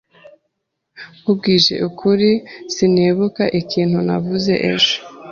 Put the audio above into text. Nkubwije ukuri, sinibuka ikintu navuze ejo.